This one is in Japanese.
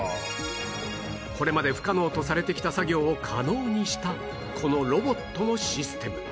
これまで不可能とされてきた作業を可能にしたこのロボットのシステム